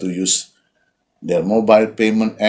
aplikasi pengundi mobile mereka